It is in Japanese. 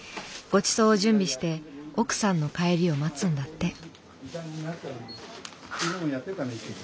ごちそうを準備して奥さんの帰りを待つんだって。